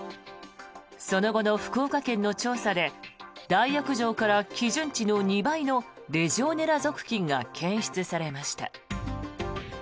その後の福岡県の調査で大浴場から基準値の２倍のレジオネラ属菌が検出されました。